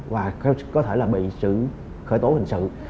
và có thể là bị khởi tố hình sự